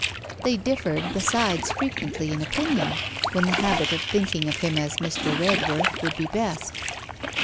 They differed besides frequently in opinion, when the habit of thinking of him as Mr. Redworth would be best.